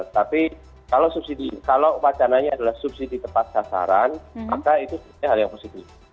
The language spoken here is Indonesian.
tapi kalau wacananya adalah subsidi tepat sasaran maka itu sebetulnya hal yang positif